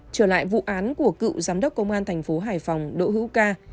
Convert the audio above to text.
trở lại vụ án của cựu giám đốc công an thành phố hải phòng đỗ hữu ca